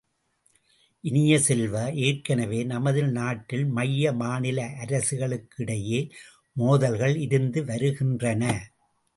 இனிய செல்வ, ஏற்கனவே நமது நாட்டில் மைய மாநில அரசுகளுக்கு இடையே மோதல்கள் இருந்து வருகின்றன.